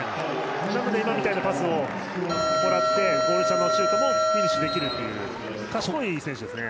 なので今みたいなパスをもらってゴール下のシュートもフィニッシュできるという賢い選手ですね。